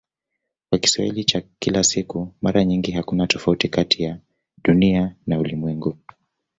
Kwa Kiswahili cha kila siku mara nyingi hakuna tofauti kati ya "Dunia" na "ulimwengu".